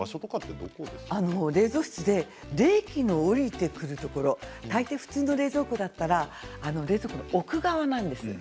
冷蔵室で冷気が下りてくるところ大抵、普通の冷蔵庫だったら冷蔵庫の奥側なんですね。